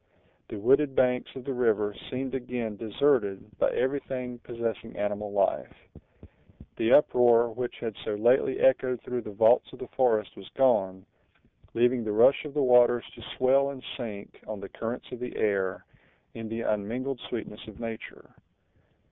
The wooded banks of the river seemed again deserted by everything possessing animal life. The uproar which had so lately echoed through the vaults of the forest was gone, leaving the rush of the waters to swell and sink on the currents of the air, in the unmingled sweetness of nature.